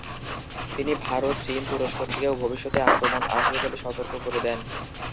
তিনি ভারত, চীন, তুরস্ক থেকেও ভবিষ্যতে আক্রমণ আসবে বলে সতর্ক করে দেন।